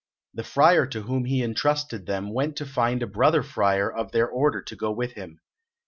The friar to whom he entrusted them went to find a brother friar of their order to go with him.